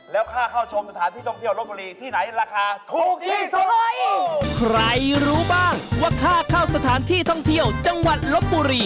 แล้วค่าเข้าชมสถานที่ท่องเที่ยวรบบุรีที่ไหนราคาถูกที่สุด